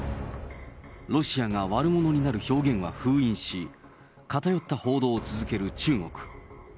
ロシアが悪者になる表現は封印し、偏った報道を続ける中国。